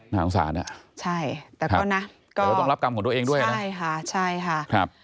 น่าสงสารน่ะแต่ว่าต้องรับกรรมของตัวเองด้วยนะใช่ค่ะ